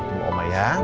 ketemu oma ya